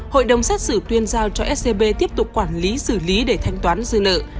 hội đồng xét xử tuyên giao cho scb tiếp tục quản lý xử lý để thanh toán dư nợ